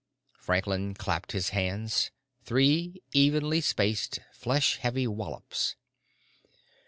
Franklin clapped his hands, three evenly spaced, flesh heavy wallops.